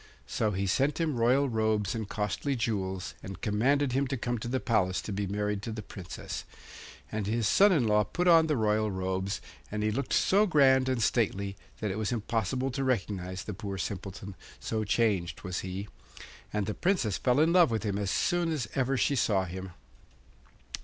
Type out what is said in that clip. So he sent him royal robes and costly jewels, and commanded him to come to the palace to be married to the Princess. And his son in law put on the royal robes, and he looked so grand and stately that it was impossible to recognise the poor Simpleton, so changed was he; and the Princess fell in love with him as soon as ever she saw him.